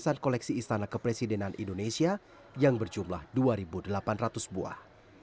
kawasan koleksi istana kepresidenan indonesia yang berjumlah dua delapan ratus buah